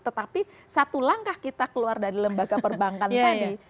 tetapi satu langkah kita keluar dari lembaga perbankan tadi